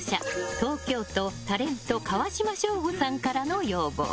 東京都、タレント川島省吾さんからの要望。